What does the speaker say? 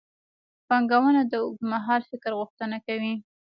پانګونه د اوږدمهال فکر غوښتنه کوي.